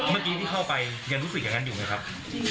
เมื่อกี้ที่เข้าไปยังรู้สึกอย่างนั้นอยู่ไหมครับ